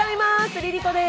ＬｉＬｉＣｏです。